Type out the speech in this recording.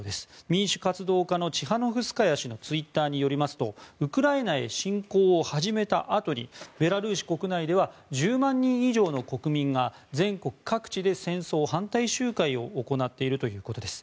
民主活動家のチハノフスカヤ氏のツイッターによりますとウクライナへ侵攻を始めたあとにベラルーシ国内では１０万人以上の国民が全国各地で戦争反対集会を行っているということです。